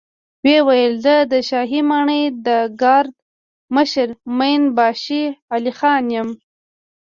ويې ويل: زه د شاهي ماڼۍ د ګارد مشر مين باشي علی خان يم.